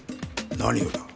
何をだ？